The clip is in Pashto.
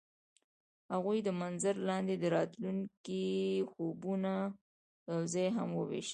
هغوی د منظر لاندې د راتلونکي خوبونه یوځای هم وویشل.